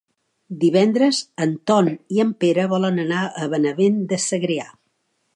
Divendres en Ton i en Pere volen anar a Benavent de Segrià.